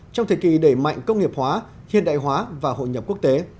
trong thời kỳ đẩy mạnh công nghiệp hóa hiện đại hóa và hội nhập quốc tế